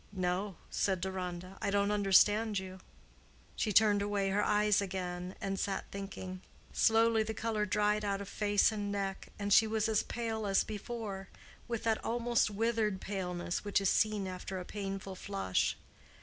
"No," said Deronda. "I don't understand you." She turned away her eyes again, and sat thinking. Slowly the color dried out of face and neck, and she was as pale as before—with that almost withered paleness which is seen after a painful flush.